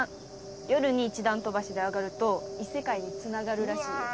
夜に１段飛ばしで上がると異世界につながるらしいよ。